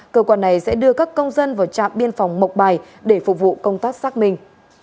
cơ quan này sẽ đưa các công dân vào trạm biên phòng mộc bài để phục vụ công tác xác minh